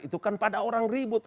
itu kan pada orang ribut